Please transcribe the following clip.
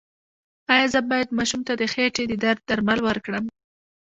ایا زه باید ماشوم ته د خېټې د درد درمل ورکړم؟